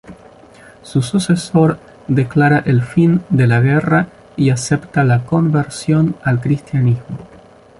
Su sucesor declara el fin de la guerra y acepta la conversión al cristianismo.